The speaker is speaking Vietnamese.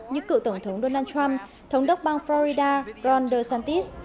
như cựu tổng thống donald trump thống đốc bang florida ron desantis